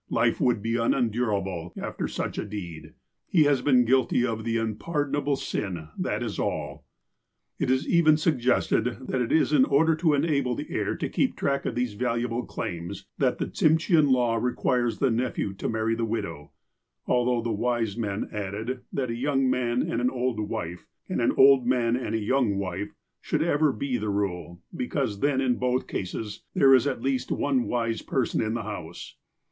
Life would be unendurable after such a deed. He has been guilty of the unpardonable sin, that is all. It is even suggested that it is in order to enable the heir to keep track of these valuable claims, that the Tsimshean law requires the nephew to marry the widow, although the wise men add, that a young man and an old wife, and an old man and a young wife, should ever be the rule, because then, in both cases, there is at least one wise person in the house.